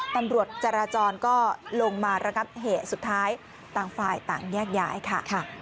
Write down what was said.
ตำรวจจราจรก็ลงมาระงับเหตุสุดท้ายต่างฝ่ายต่างแยกย้ายค่ะ